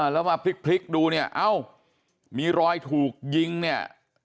แล้วมาพลิกดูเนี่ยเอ้ามีรอยถูกยิงเนี่ย